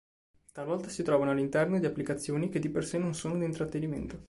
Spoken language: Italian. Talvolta si trovano all'interno di applicazioni che di per sé non sono di intrattenimento.